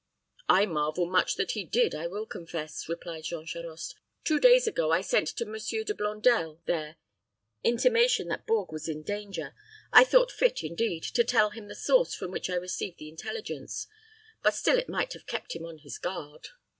"I marvel much that he did, I will confess," replied Jean Charost. "Two days ago I sent Monsieur de Blondel there intimation that Bourges was in danger. I thought fit, indeed, to tell him the source from which I received the intelligence; but still it might have kept him on his guard."